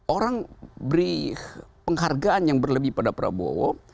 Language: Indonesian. orang beri penghargaan yang berlebih pada prabowo